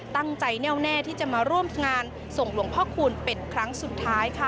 แน่วแน่ที่จะมาร่วมงานส่งหลวงพ่อคูณเป็นครั้งสุดท้ายค่ะ